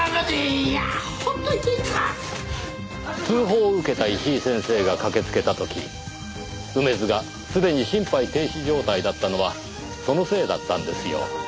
通報を受けた石井先生が駆けつけた時梅津がすでに心肺停止状態だったのはそのせいだったんですよ。